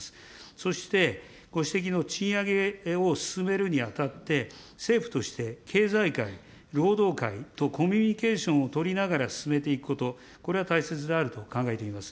そして、ご指摘の賃上げを進めるにあたって、政府として経済界、労働界とコミュニケーションを取りながら進めていくこと、これは大切であると考えています。